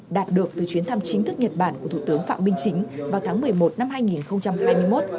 đạt được từ chuyến thăm chính thức nhật bản của thủ tướng phạm minh chính vào tháng một mươi một năm hai nghìn hai mươi một